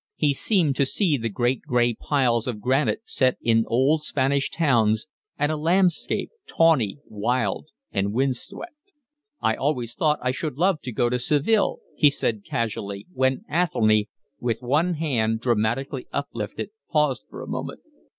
He seemed to see the great gray piles of granite set in old Spanish towns amid a landscape tawny, wild, and windswept. "I've always thought I should love to go to Seville," he said casually, when Athelny, with one hand dramatically uplifted, paused for a moment.